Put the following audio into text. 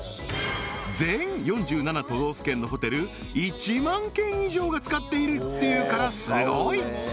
全４７都道府県のホテル１万軒以上が使っているっていうからすごい！